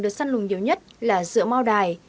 được săn lùng nhiều nhất là dựa mau đài